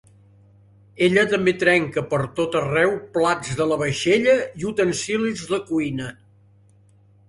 Ella també trenca pertot arreu plats de la vaixella i utensilis de cuina.